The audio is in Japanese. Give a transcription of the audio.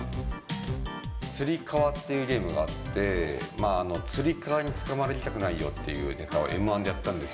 つり革っていうゲームがあって、つり革につかまりたくないよっていうネタをＭ―１でやったんです